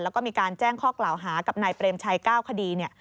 แล้วก็มีการแจ้งข้อกล่าวหากับนายเปรมชัย๙คดีเนี่ย